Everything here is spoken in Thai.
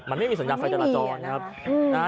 มันไม่มีสัญญาณไฟตลาดจอดนะครับ